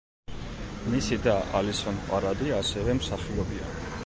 მისი და, ალისონ პარადი ასევე მსახიობია.